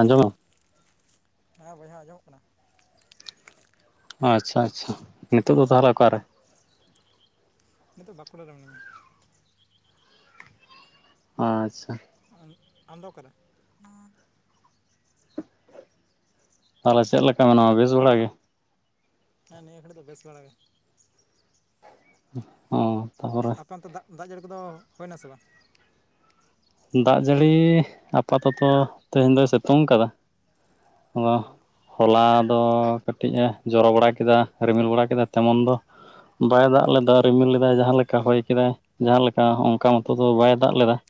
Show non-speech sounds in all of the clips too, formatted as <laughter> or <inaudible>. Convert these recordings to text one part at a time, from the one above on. ᱟᱸᱡᱚᱢᱚᱜ ᱦᱮᱸ ᱵᱚᱭᱦᱟ ᱟᱸᱡᱚᱢᱚᱜ ᱠᱟᱱᱟ ᱾ ᱟᱪᱪᱷᱟ ᱟᱪᱪᱷᱟ ᱾ ᱱᱤᱛᱚᱜ ᱫᱚ ᱛᱟᱦᱟᱞᱮ ᱚᱠᱟᱨᱮ? ᱱᱤᱛᱚᱜ ᱵᱟᱠᱩᱲᱟ ᱨᱮ ᱢᱤᱱᱟᱹᱧᱟ ᱾ ᱟᱻᱪᱪᱷᱟ ᱟᱨ ᱟᱢᱫᱚ ᱚᱠᱟᱨᱮ? <inaudible> ᱛᱟᱦᱚᱞᱮ ᱪᱮᱫ ᱞᱮᱠᱟ ᱢᱮᱱᱟᱢᱟ ᱵᱮᱥ ᱵᱟᱲᱟ ᱜᱮ? ᱦᱮᱸ ᱱᱤᱭᱟᱹ ᱜᱷᱟᱹᱲᱤ ᱫᱚ ᱵᱮᱥ ᱵᱟᱲᱟ ᱜᱮ ᱾ ᱚ ᱛᱟᱯᱚᱨᱮ ᱟᱯᱮ ᱚᱱᱛᱮ ᱫᱟᱜ ᱫᱟᱜ ᱡᱟᱹᱲᱤ ᱠᱚᱫᱚ ᱦᱩᱭᱱᱟᱥᱮ ᱵᱟ? ᱫᱟᱜ ᱡᱟᱹᱲᱤᱻ ᱟᱯᱟᱛᱚᱛᱚ ᱛᱮᱦᱮᱧ ᱫᱚᱭ ᱥᱮᱛᱩᱝ ᱠᱟᱫᱟ ᱚ ᱾ ᱦᱚᱞᱟ ᱫᱚ ᱠᱟᱹᱴᱤᱡ ᱮ ᱡᱚᱨᱚ ᱵᱟᱲᱟ ᱠᱮᱫᱟ ᱨᱤᱢᱤᱞ ᱵᱟᱲᱟ ᱠᱮᱫᱟ ᱛᱮᱢᱚᱱ ᱫᱚ ᱵᱟᱭ ᱫᱟᱜ ᱞᱮᱫᱟ ᱨᱤᱢᱤᱞ ᱞᱮᱫᱟᱭ ᱡᱟᱦᱟᱸ ᱞᱮᱠᱟ ᱦᱚᱭ ᱠᱮᱫᱟᱭ ᱡᱟᱦᱟᱸ ᱞᱮᱠᱟ ᱚᱝᱠᱟ ᱢᱚᱛᱚ ᱫᱚ ᱵᱟᱭ ᱫᱟᱜ ᱞᱮᱫᱟ ᱾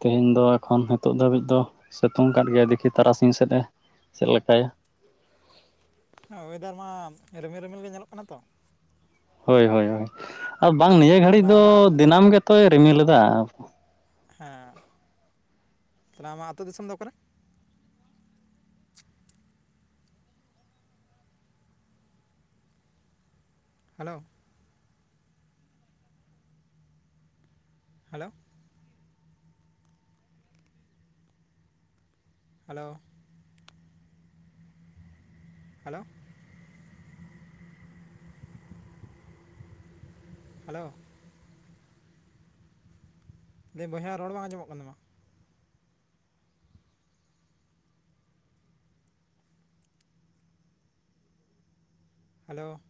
ᱛᱮᱦᱮᱧ ᱚ ᱫᱚ ᱮᱠᱷᱚᱱ ᱦᱮᱛᱳᱜ ᱫᱷᱟᱹᱵᱤᱡ ᱫᱚ ᱥᱮᱛᱳᱝ ᱠᱟᱫ ᱜᱮᱭᱟᱭ ᱫᱮᱠᱷᱤ ᱛᱟᱨᱟᱥᱤᱧ ᱥᱮᱫ ᱮ ᱪᱮᱫ ᱞᱮᱠᱟᱭᱟ ᱾ ᱦᱮᱸ ᱚᱭᱮᱫᱟᱨ ᱢᱟ ᱨᱤᱢᱤᱞ ᱨᱤᱢᱤᱞ ᱜᱮ ᱧᱮᱞᱚᱜ ᱠᱟᱱᱟ ᱛᱚ ᱾ ᱦᱳᱭ ᱦᱳᱭ ᱟᱨ ᱵᱟᱝ ᱱᱤᱭᱟᱹ ᱜᱷᱟᱹᱲᱤᱡ ᱛᱟᱦᱚᱞᱮ ᱫᱚ ᱟᱢᱟᱜ ᱟᱹᱛᱩ ᱫᱤᱱᱟᱹᱢ ᱜᱮᱛᱚᱭ ᱨᱤᱢᱤᱞᱮᱫᱟ ᱾ ᱦᱮᱸ ᱛᱟᱦᱚᱞᱮ ᱟᱢᱟᱜ ᱟᱛᱩᱳ ᱫᱤᱥᱚᱢ ᱫᱚ ᱚᱠᱟᱨᱮ? Hello hello hello hello hello ᱵᱚᱭᱦᱟ ᱨᱚᱲ ᱵᱟᱝ ᱟᱸᱡᱚᱢᱚᱜ ᱠᱟᱱ ᱛᱟᱢᱟ ᱾ ᱦᱮᱞᱳ